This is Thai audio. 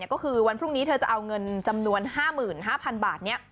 ก็คือวันพรุ่งนี้เธอจะเอาเงินจำนวน๕๕๐๐๐บาท